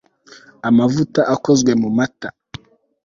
amavuta akozwe mu mata